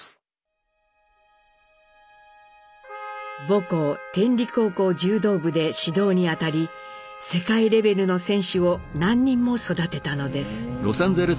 母国天理高校柔道部で指導にあたり世界レベルの選手を何人も育てたのです。